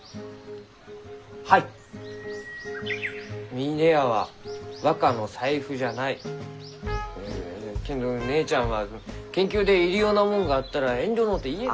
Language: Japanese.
「峰屋は若の財布じゃない」。うけんど姉ちゃんは研究で入り用なもんがあったら遠慮のうて言えと。